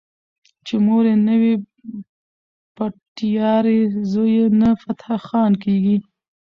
چې مور یې نه وي بټيارۍ زوی يې نه فتح خان کيږي